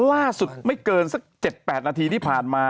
ล่าสุดไม่เกินสัก๗๘นาทีที่ผ่านมา